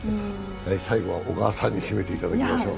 最後は小川さんに締めていただきましょう。